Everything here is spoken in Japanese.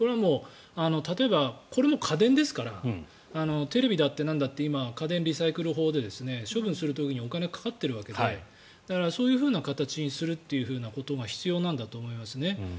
例えば、これも家電ですからテレビだってなんだって今、家電リサイクル法で処分する時にお金がかかっているわけでそういうふうな形にすることが必要なんだと思いますね。